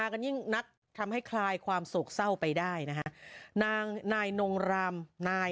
กันยิ่งนักทำให้คลายความโศกเศร้าไปได้นะฮะนางนายนงรามนาย